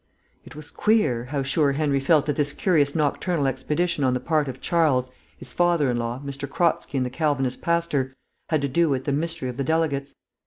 It was queer, how sure Henry felt that this curious nocturnal expedition on the part of Charles, his father in law, M. Kratzky and the Calvinist pastor had to do with the mystery of the delegates.